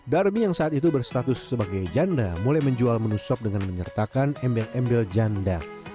darmi yang saat itu berstatus sebagai janda mulai menjual menu sop dengan menyertakan embel embel janda